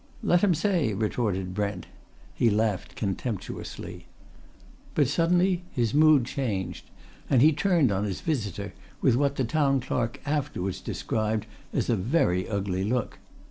"Let 'em say!" retorted Brent. He laughed contemptuously. But suddenly his mood changed, and he turned on his visitor with what the Town Clerk afterwards described as a very ugly look.